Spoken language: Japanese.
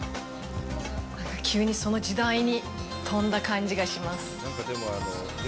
急にその時代に飛んだ感じがします。